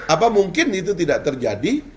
apa mungkin itu tidak terjadi